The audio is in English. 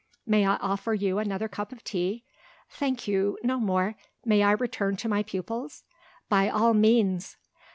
"May I offer you another cup of tea?" "Thank you no more. May I return to my pupils?" "By all means!"